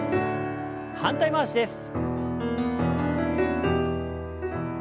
反対回しです。